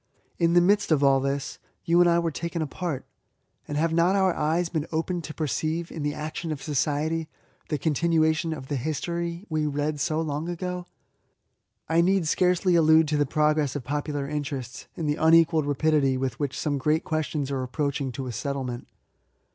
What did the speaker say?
In the midst of all this, you and I were taken apart ; and have not our eyes been opened to perceive, in the action of society, the continua tion of the history we read so long ago ? I need LIFE TO THE INVALID. ' 71 scarcely allude to the progress of popular interests, and the unequalled rapidity with which some great questions are approaching to a settlement.